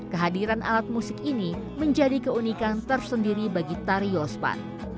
kehadiran alat musik ini menjadi keunikan tersendiri bagi tari yospan